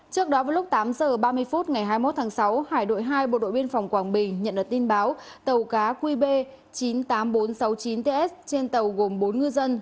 trước đó vào lúc tám h ba mươi phút ngày hai mươi một tháng sáu hải đội hai bộ đội biên phòng quảng bình nhận được tin báo tàu cá qb chín mươi tám nghìn bốn trăm sáu mươi chín ts trên tàu gồm bốn ngư dân